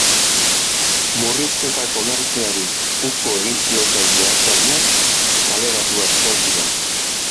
Murrizketak onartzeari uko egin zioten meatzariak kaleratuak izan ziren.